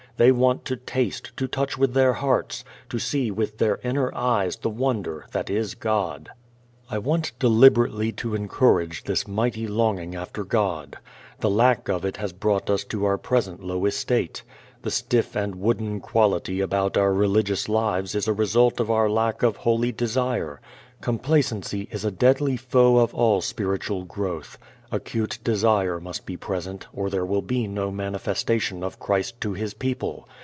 They want to taste, to touch with their hearts, to see with their inner eyes the wonder that is God. I want deliberately to encourage this mighty longing after God. The lack of it has brought us to our present low estate. The stiff and wooden quality about our religious lives is a result of our lack of holy desire. Complacency is a deadly foe of all spiritual growth. Acute desire must be present or there will be no manifestation of Christ to His people.